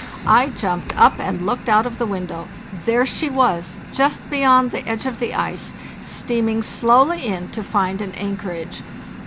I jumped up and looked out of the window. There she was, just be yond the edge of the ice, steaming slowly in to find an anchorage.